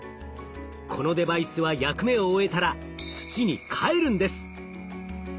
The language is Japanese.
このデバイスは役目を終えたら土にかえるんです！